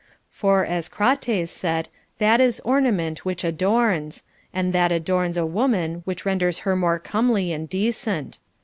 For, as Crates said, that is ornament which adorns ; and that adorns a woman which renders her more comely and decent.